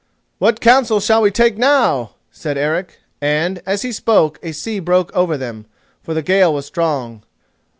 "What counsel shall we take now?" said Eric, and as he spoke a sea broke over them—for the gale was strong.